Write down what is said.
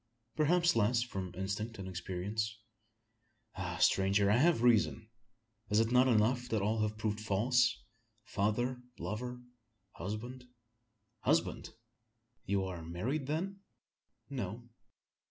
"Perhaps less from instinct than experience. Ah! stranger! I have reason. Is it not enough that all have proved false father, lover, husband?" "Husband! You are married, then?" "No."